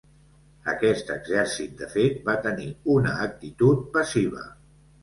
Aquest exèrcit de fet va tenir una actitud passiva.